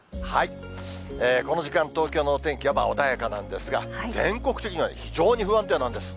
この時間、東京のお天気は穏やかなんですが、全国的には非常に不安定なんです。